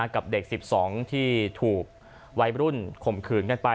กับเด็ก๑๒ที่ถูกวัยรุ่นข่มขืนกันไป